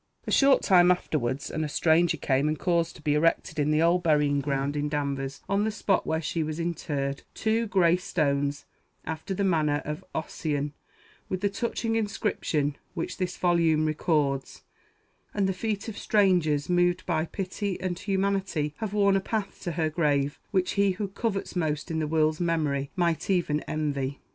A short time afterwards, and a stranger came and caused to be erected in the old burying ground in Danvers, on the spot where she was interred, two "gray stones," after the manner of Ossian, with the touching inscription which this volume records; and the feet of strangers, moved by pity and humanity, have worn a path to her grave which he who covets most in the world's memory might even envy.